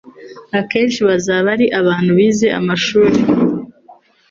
akenshi bazaba ari abantu bize amashuri,